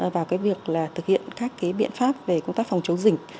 vào việc thực hiện các biện pháp về công tác phòng chống dịch